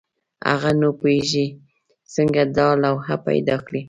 هغه نه پوهېږي څنګه دا لوحه پیدا کړي.